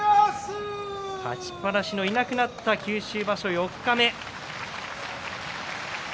勝ちっぱなしのいなくなった九州場所、四日目です。